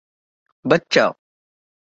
قانون اپنی روح میں نفاذ کا متقاضی ہوتا ہے